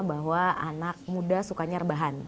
bahwa anak muda sukanya rebahan